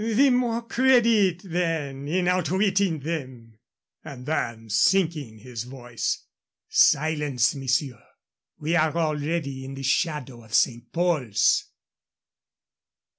"The more credit, then, in outwitting them"; and then, sinking his voice, "Silence, monsieur, we are already in the shadow of St. Paul's."